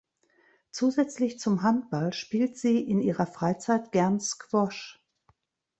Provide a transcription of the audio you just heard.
Zusätzlich zum Handball spielt sie in ihrer Freizeit gerne Squash.